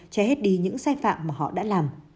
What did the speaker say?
che hết đi những sai phạm mà họ đã làm